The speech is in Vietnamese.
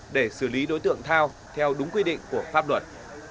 để xử lý đối tượng thao theo đúng quy định của pháp luật